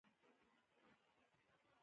• مینه د زړه د آرام پناه ده.